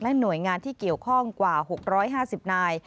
หน่วยงานที่เกี่ยวข้องกว่า๖๕๐นาย